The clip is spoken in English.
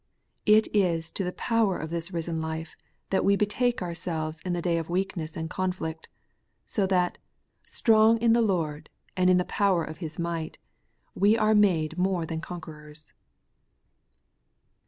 It is to the power of this risen life that we betake ourselves in the day of weakness and conflict ; so that, strong in the Lord, and in the power of His might, we are made more than conquerors.